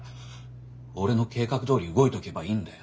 俺の計画どおり動いとけばいいんだよ。